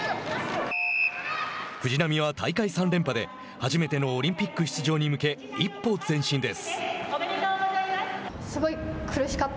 藤波は大会３連覇で初めてのオリンピック出場に向け一歩前進です。